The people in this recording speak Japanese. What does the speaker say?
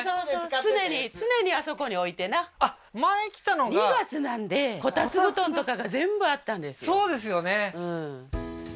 常に常にあそこに置いてなあっ前来たのが２月なんで炬燵布団とかが全部あったんですそうですよね